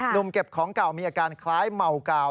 หนุ่มเก็บของเก่ามีอาการคล้ายเมากาว